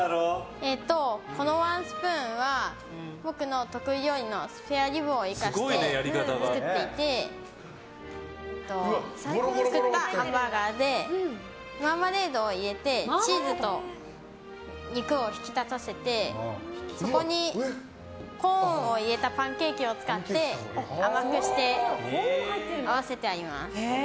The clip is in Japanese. このワンスプーンは僕の得意料理のスペアリブを生かして最近作ったハンバーガーでマーマレードを入れてチーズと肉を引き立たせてそこに、コーンを入れたパンケーキを使って甘くして合わせてあります。